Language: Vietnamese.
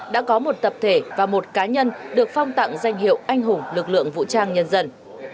đã có một tập thể và một cá nhân được phong tặng danh hiệu anh hùng lực lượng vũ trang nhân dân